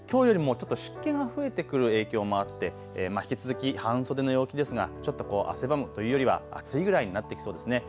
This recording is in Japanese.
きょうよりもちょっと湿気が増えてくる影響もあって、引き続き半袖の陽気ですがちょっと汗ばむというよりは暑いくらいになってきそうですね。